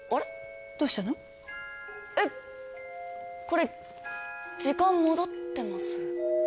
これ時間戻ってます？